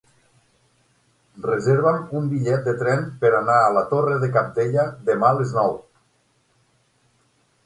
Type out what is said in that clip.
Reserva'm un bitllet de tren per anar a la Torre de Cabdella demà a les nou.